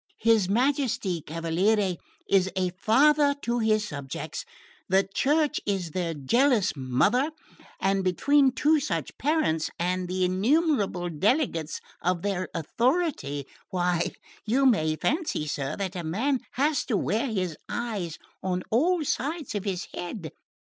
His Majesty, cavaliere, is a father to his subjects; the Church is their zealous mother; and between two such parents, and the innumerable delegates of their authority, why, you may fancy, sir, that a man has to wear his eyes on all sides of his head.